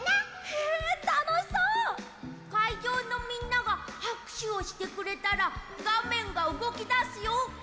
へえたのしそう！かいじょうのみんながはくしゅをしてくれたらがめんがうごきだすよ！